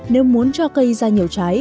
nếu muốn cho cây ra nhiều trái